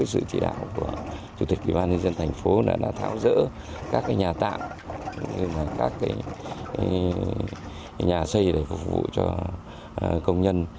sự chỉ đạo của chủ tịch ubnd tp là tháo rỡ các nhà tạng các nhà xây để phục vụ cho công nhân